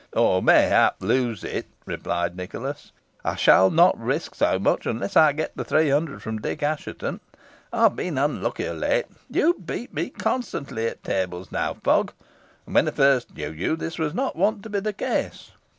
"Or, mayhap, lose it," replied Nicholas. "I shall not risk so much, unless I get the three hundred from Dick Assheton. I have been unlucky of late. You beat me constantly at tables now, Fogg, and when I first knew you this was not wont to be the case.